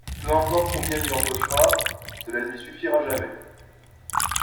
Peu importe combien il empochera, cela ne lui suffira jamais.